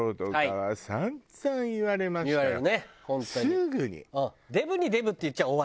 すぐに。